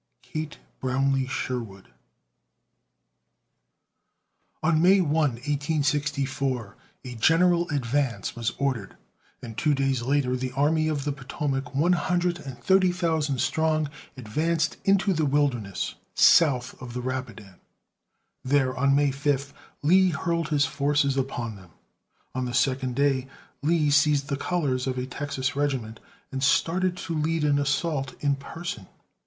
KATE BROWNLEE SHERWOOD. On May 1, 1864, a general advance was ordered, and two days later the Army of the Potomac, one hundred and thirty thousand strong, advanced into the Wilderness, south of the Rapidan. There, on May 5, Lee hurled his forces upon them. On the second day, Lee seized the colors of a Texas regiment and started to lead an assault in person.